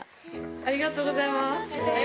ありがとうございます！